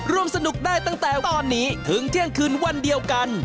ร่วมสนุกได้ตั้งแต่ตอนนี้ถึงเที่ยงคืนวันเดียวกัน